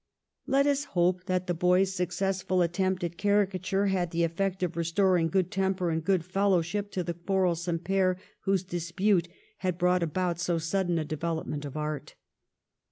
Let us hope that the boy's successful attempt at caricature had the effect of restoring good temper and good fellowship to the quarrelsome pair whose dispute had brought about so sudden a development of art.